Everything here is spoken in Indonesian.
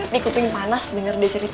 dikutin panas nih biar dia cerita